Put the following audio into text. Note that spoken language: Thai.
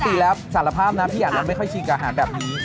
ปกติแล้วสารภาพนะพี่อันนั้นไม่ค่อยชิงอาหารแบบนี้